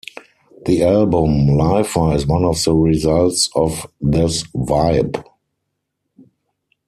The album 'Lifer' is one of the results of this vibe.